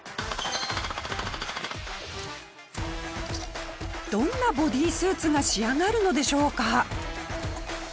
どんなボディスーツが仕上がるのでしょうか？